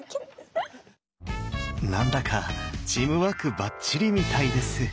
何だかチームワークばっちりみたいです。